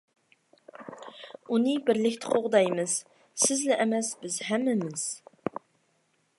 -ئۇنى بىرلىكتە قوغدايمىز. سىزلا ئەمەس، بىز ھەممىمىز!